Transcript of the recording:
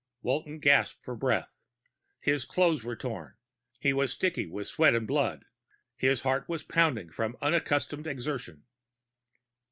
Walton gasped for breath. His clothes were torn, he was sticky with sweat and blood, his heart was pounding from unaccustomed exertion.